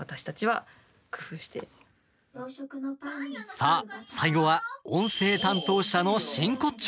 さあ、最後は音声担当者の真骨頂。